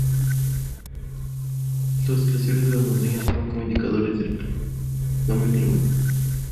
Los glaciares de las montañas sirven como indicadores del cambio climático.